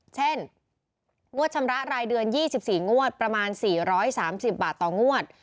เช่นงวดชำระรายเดือน๒๔งวดประมาณ๔๓๐บาทต่องวด